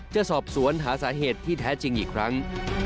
จะสอบสวนหาสาเหตุที่แท้จริงอีกครั้ง